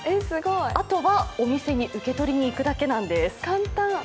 あとはお店に受け取りに行くだけなんです。